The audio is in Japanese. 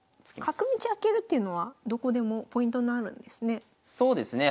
角道開けるっていうのはどこでもポイントになるんですね。